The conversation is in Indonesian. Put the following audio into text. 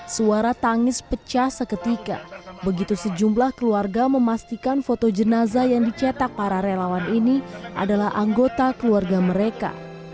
suara tangis pecah seketika begitu sejumlah keluarga memastikan foto jenazah yang dicetak para relawan ini adalah anggota keluarga mereka